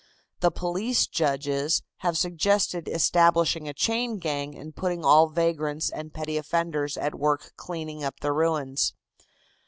The police judges have suggested establishing a chain gang and putting all vagrants and petty offenders at work clearing up the ruins.